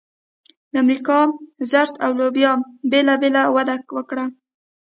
د امریکا ذرت او لوبیا بېله بېله وده وکړه.